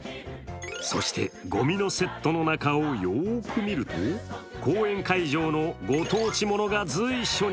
そしてごみのセットの中をよく見ると公演会場のご当所ものが随所に。